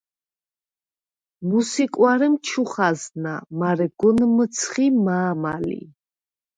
მუს ი კუ̂არემ ჩუ ხაზნა, მარე გუნ მჷცხი მა̄მა ლი.